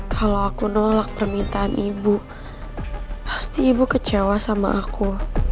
kalau aku nolak permintaan ibu pasti ibu kecewa sama aku